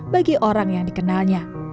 bagi orang yang dikenalnya